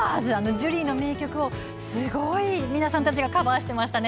ジュリーの名曲をすごい皆さんたちがカバーされていましたね。